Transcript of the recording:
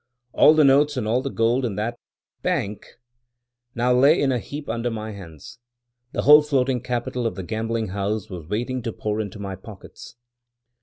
All the notes, and all the gold in that "bank," now lay in a heap under my hands; the whole floating capital of the gambling house was waiting to pour into my pockets!